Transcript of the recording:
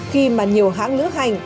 khi mà nhiều hãng lưỡng hành